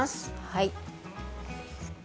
はい。